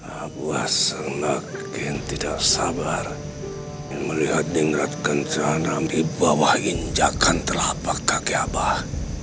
aku semakin tidak sabar melihat nikrat kencana di bawah injakan telapak kaki abah